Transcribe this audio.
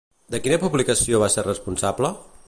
De quina publicació va ser responsable?